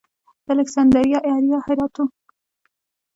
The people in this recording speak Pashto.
د الکسندریه اریا هرات و